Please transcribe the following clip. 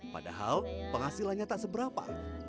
padahal penghasilannya tak seberapa